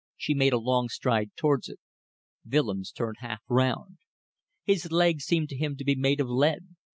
She made a long stride towards it. Willems turned half round. His legs seemed to him to be made of lead.